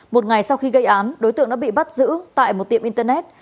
một ngày sau khi gây án đối tượng đã bị bắt giữ tại một tiệm internet